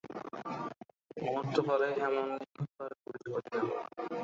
মুর্হূত পরেই হেমনলিনী ঘরে প্রবেশ করিল।